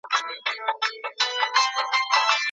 تشویقي ډالۍ د زده کوونکو علاقه ډیروي.